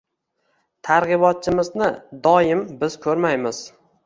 Targ‘ibotchimizni doim biz ko‘rmaymiz.